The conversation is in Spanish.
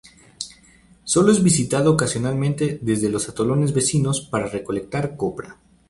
Sólo es visitado ocasionalmente desde los atolones vecinos para recolectar copra.